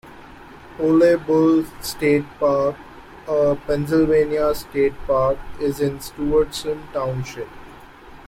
Ole Bull State Park a Pennsylvania state park is in Stewardson Township.